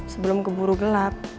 sebelum keburu gelap